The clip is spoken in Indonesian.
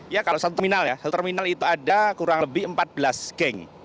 ya kalau satu terminal ya satu terminal itu ada kurang lebih empat belas geng